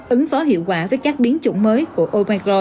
ứng phó hiệu quả với các biến chủng mới của obacor